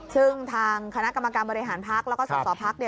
ซึ่งทางคณะกรรมกรรมบริหารพักษณ์และส่วนสอบพักษณ์